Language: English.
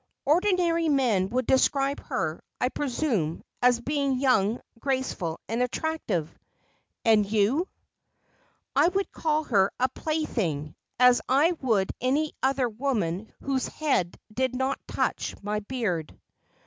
"Ordinary men would describe her, I presume, as being young, graceful and attractive." "And you?" "I would call her a plaything, as I would any other woman whose head did not touch my beard."